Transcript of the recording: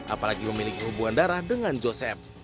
apalagi memiliki hubungan darah dengan joseph